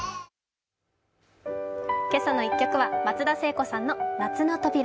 「けさの１曲」は松田聖子さんの「夏の扉」。